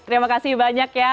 terima kasih banyak ya